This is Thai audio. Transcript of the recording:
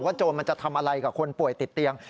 โจรมันจะทำอะไรกับคนป่วยติดเตียง